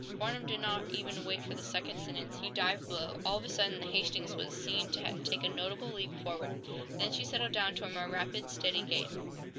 Farnum did not even wait for the second sentence. He dived below. All of a sudden the "Hastings" was seen to take a notable leap forward. Then she settled down to a more rapid, steady gait.